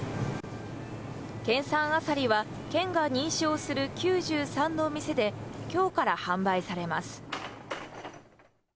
県産アサリは県が認証する９３の店で、きょうから販売されます。